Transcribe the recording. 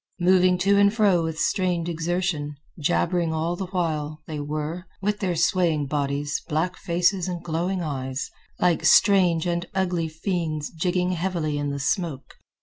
Moving to and fro with strained exertion, jabbering all the while, they were, with their swaying bodies, black faces, and glowing eyes, like strange and ugly fiends jigging heavily in the smoke.